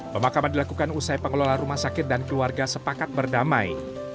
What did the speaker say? pemakaman dilakukan usai pengelola rumah sakit dan keluarga sepakat berdamai